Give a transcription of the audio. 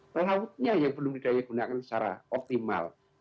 lautnya yang belum didaya gunakan secara optimal